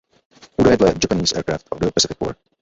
Údaje dle "Japanese Aircraft of the Pacific War".